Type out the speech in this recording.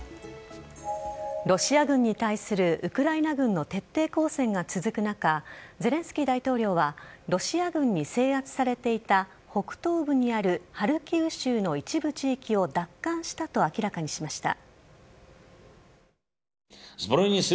ロシア軍に対するウクライナ軍の徹底抗戦が続く中ゼレンスキー大統領はロシア軍に制圧されていた北東部にあるハルキウ州の一部地域を奪還したと明らかにしました。